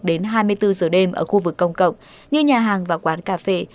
đến hai mươi bốn giờ đêm ở khu vực công cộng như nhà hàng và quán cà phê